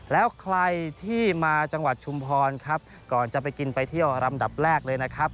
แล้วใครที่มาจังหวัดชุมพรครับก่อนจะไปกินไปเที่ยวลำดับแรกเลยนะครับ